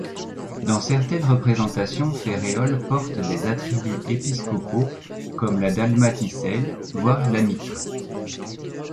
Dans certaines représentations Ferréol porte des attributs épiscopaux, comme la dalmaticelle, voire la mitre.